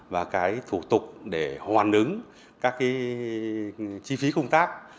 và cái thủ tục để hoàn ứng các cái chi phí công tác